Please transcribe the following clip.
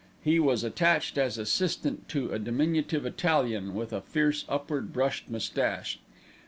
He was attached as assistant to a diminutive Italian, with a fierce upward brushed moustache.